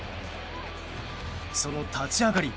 その立ち上がり。